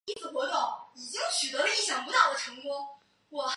兴亚会成员。